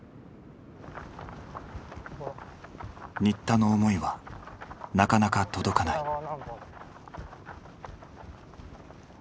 新田の思いはなかなか届かない。